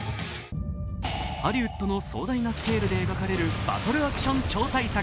ハリウッドの壮大なスケールで描かれるバトルアクション超大作。